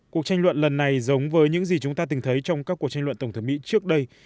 cuộc tranh luận lần này giống với những gì chúng ta từng thấy trong các cuộc tranh luận tổng thống mỹ trước đây